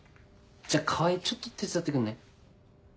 じゃ川合ちょっと手伝ってくんない？